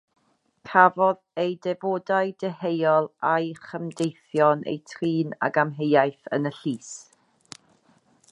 Cafodd ei defodau deheuol a'i chymdeithion eu trin ag amheuaeth yn y llys.